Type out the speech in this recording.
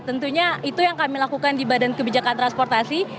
tentunya itu yang kami lakukan di badan kebijakan transportasi